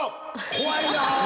怖いなあ。